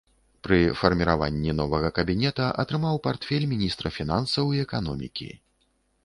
Пры фарміраванні новага кабінета атрымаў партфель міністра фінансаў і эканомікі.